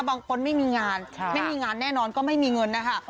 ไม่มีงานไม่มีงานแน่นอนก็ไม่มีเงินนะคะ